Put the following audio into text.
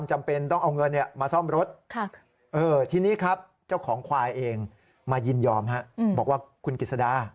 ให้คุณกฤษดา